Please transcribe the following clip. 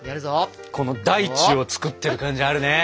この大地を作ってる感じあるね！